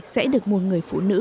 sẽ được một người phụ nữ